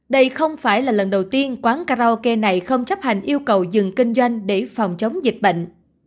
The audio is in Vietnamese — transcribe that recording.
đây không phải là lần đầu tiên quán karaoke này không chấp hành yêu cầu dừng kinh doanh để phòng chống dịch bệnh